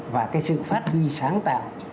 và cái sự phát huy sáng tạo